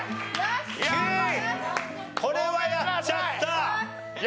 これはやっちゃった。